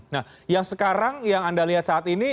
nah yang sekarang yang anda lihat saat ini